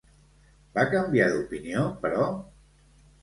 Va canviar d'opinió, però?